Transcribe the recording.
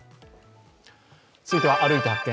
続いては「歩いて発見！